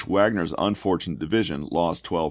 Wagner's unfortunate division lost 1200.